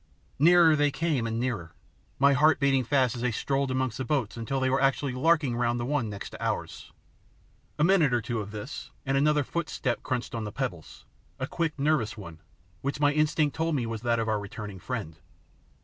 Nearer they came and nearer, my heart beating fast as they strolled amongst the boats until they were actually "larking" round the one next to ours. A minute or two of this, and another footstep crunched on the pebbles, a quick, nervous one, which my instinct told me was that of our returning friend.